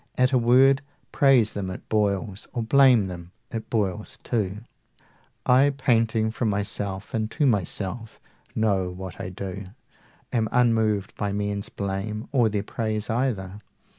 at a word Praise them, it boils, or blame them, it boils too. I, painting from myself and to myself, 90 Know what I do, am unmoved by men's blame Or their praise either.